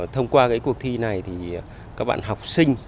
thông qua cuộc thi này các bạn học sinh